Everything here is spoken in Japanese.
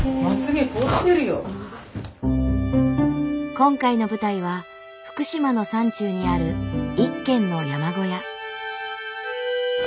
今回の舞台は福島の山中にある一軒の山小屋。